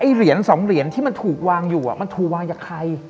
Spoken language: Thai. เหรียญสองเหรียญที่มันถูกวางอยู่มันถูกวางจากใคร